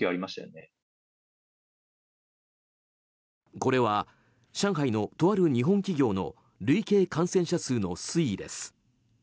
これは上海のとある日本企業の累計感染者数の推移です。